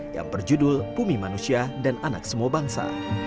yang berjudul bumi manusia dan anak semua bangsa